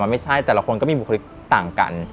ไม่ใช่แต่ละคนก็มีบุคลิกต่างกัน